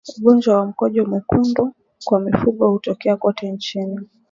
Ugonjwa wa mkojo mwekundu kwa mifugo hutokea kote nchini